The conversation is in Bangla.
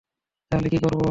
তাহলে, কি করবো?